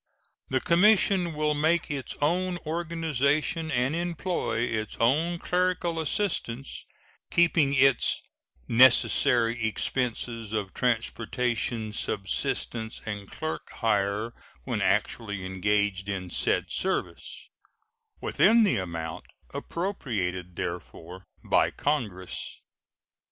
The commission will make its own organization and employ its own clerical assistants, keeping its "necessary expenses of transportation, subsistence, and clerk hire when actually engaged in said service" within the amount appropriated therefor by Congress.